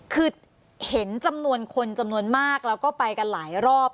คือเห็นจำนวนคนจำนวนมากแล้วก็ไปกันหลายรอบ